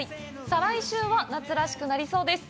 再来週は夏らしくなりそうです。